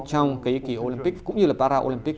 trong cái kỳ olympic cũng như là paralympic